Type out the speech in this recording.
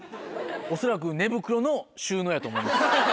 恐らく寝袋の収納やと思います。